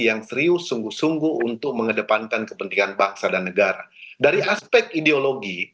yang serius sungguh sungguh untuk mengedepankan kepentingan bangsa dan negara dari aspek ideologi